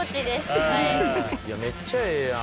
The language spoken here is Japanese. めっちゃええやん。